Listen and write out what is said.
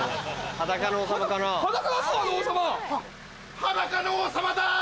裸の王様だ！